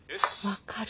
分かる。